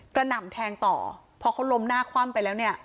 หน่ำแทงต่อพอเขาล้มหน้าคว่ำไปแล้วเนี่ย